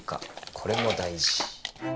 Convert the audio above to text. これも大事」